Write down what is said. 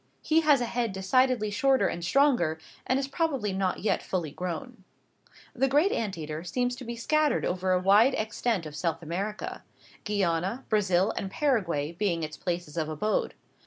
He has a head decidedly shorter and stronger, and is probably not yet fully grown. The great ant eater seems to be scattered over a wide extent of South America Guiana, Brazil, and Paraguay, being its places of abode.